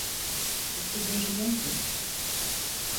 İsimleri neydi?